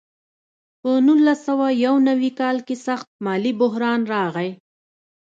په نولس سوه یو نوي کال کې سخت مالي بحران راغی.